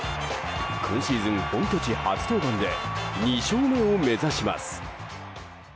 今シーズン本拠地初登板で２勝目を目指します。